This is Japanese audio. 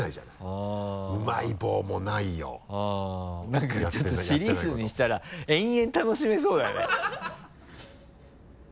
何かちょっとシリーズにしたら永遠楽しめそうだね。